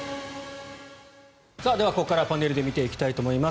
では、ここからパネルで見ていきたいと思います。